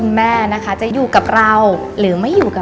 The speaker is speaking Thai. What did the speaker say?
ในฐานะตอนนี้แพทย์รับสองตำแหน่งแล้วนะคะ